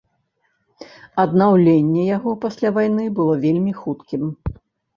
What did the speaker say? Аднаўленне яго пасля вайны было вельмі хуткім.